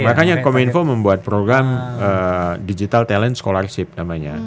makanya komi info membuat program digital talent scholarship namanya